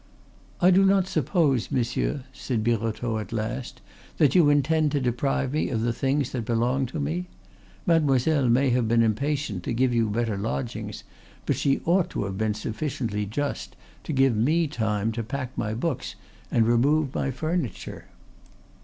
"I do not suppose, monsieur," said Birotteau at last, "that you intend to deprive me of the things that belong to me. Mademoiselle may have been impatient to give you better lodgings, but she ought to have been sufficiently just to give me time to pack my books and remove my furniture."